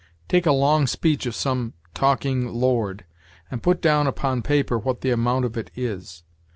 Take a long speech of some talking Lord and put down upon paper what the amount of it is.